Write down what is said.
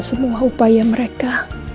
semua upaya mereka